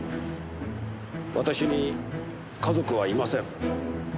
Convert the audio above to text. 私に家族はいません。